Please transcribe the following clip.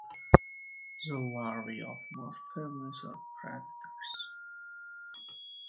The larvae of most families are predators.